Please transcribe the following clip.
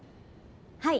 はい。